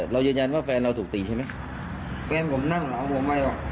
เรายืนยันว่าแฟนเราถูกตีใช่ไหมแฟนผมนั่งเหมาผมไม่หรอก